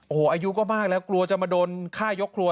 โอ้โหอายุก็มากแล้วกลัวจะมาโดนฆ่ายกครัว